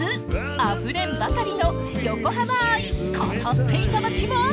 あふれんばかりの横浜愛語っていただきます！